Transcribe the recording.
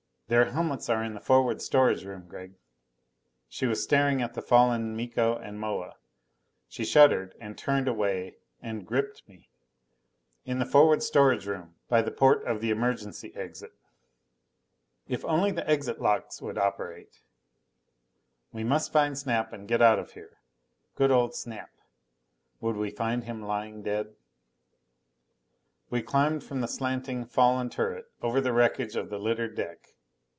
"Their helmets are in the forward storage room, Gregg." She was staring at the fallen Miko and Moa. She shuddered and turned away and gripped me. "In the forward storage room, by the port of the emergency exit." If only the exit locks would operate! We must find Snap and get out of here. Good old Snap! Would we find him lying dead? We climbed from the slanting, fallen turret, over the wreckage of the littered deck.